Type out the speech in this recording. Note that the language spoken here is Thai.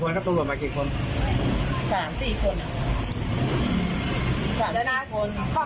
เราหันไปดูก็เห็นรถอ่ะแล้วก็ได้ยินเสียงฟื้นอีกประมาณสักสองนัดได้มันไม่น่าเกินอ่ะ